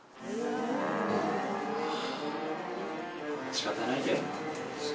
仕方ないけどな。